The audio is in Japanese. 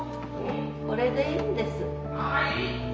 これでいいんです。